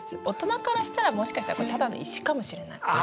大人からしたらもしかしたらただの石かもしれない。